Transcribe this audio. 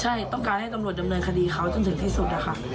ใช่ต้องการให้ตำรวจดำเนินคดีเขาจนถึงที่สุดนะคะ